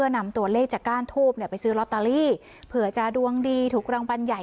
นำตัวเลขจากก้านทูบไปซื้อลอตเตอรี่เผื่อจะดวงดีถูกรางวัลใหญ่